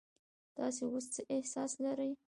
تاسو اوس څه احساس لرئ؟